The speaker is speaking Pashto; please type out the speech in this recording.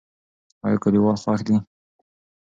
ایا کلیوال خوښ دي؟